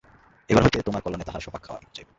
এবার হইতে তোমার কল্যাণে তাহার স্বপাক খাওয়া আমি ঘোচাইব।